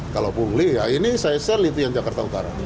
kalau pungli ya ini saya share itu yang jakarta utara